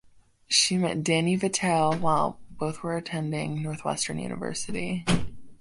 She met Danny Vitale while both were attending Northwestern University.